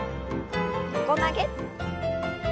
横曲げ。